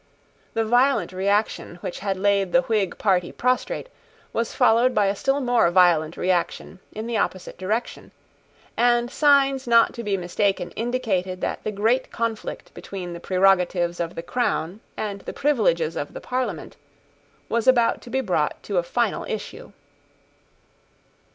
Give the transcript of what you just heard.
The violent reaction which had laid the Whig party prostrate was followed by a still more violent reaction in the opposite direction; and signs not to be mistaken indicated that the great conflict between the prerogatives of the Crown and the privileges of the Parliament, was about to be brought to a final issue.